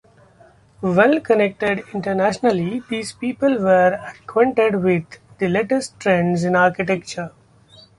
Well connected internationally, these people were acquainted with the latest trends in architecture.